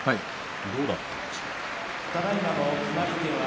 どうだったんでしょうか。